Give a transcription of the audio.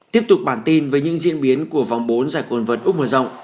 tiếp tục bản tin về những diễn biến của vòng bốn giải quân vật úc mở rộng